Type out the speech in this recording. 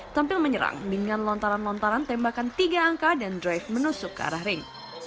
tampil menyerang dengan lontaran lontaran tembakan tiga angka dan drive menusuk ke arah ring